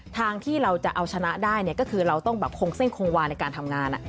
ทางที่เราจะเอาชนะได้เนี่ยก็คือเราต้องแบบคงเส้นคงวาในการทำงาน